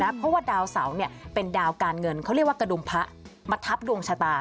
เพราะว่าดาวเสาเป็นดาวการเงินเขาเรียกว่ากระดุมพระมาทับดวงชะตา